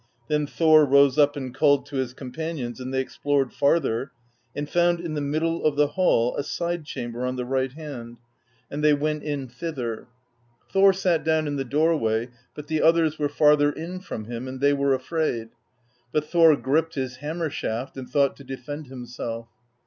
Then Thor rose up and called to his companions, and they explored farther, and found in the middle of the hall a side chamber on the right hand, and they went in THE BEGUILING OF GYLFI 59 thither. Thor sat down in the doorway, but the others were farther in from him, and they were afraid; but Thor gripped his hammer shaft and thought to defend himself.